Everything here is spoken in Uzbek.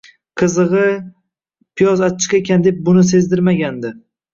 Qizig‘i, «Piyoz achchiq ekan» deb buni sezdirmagandi.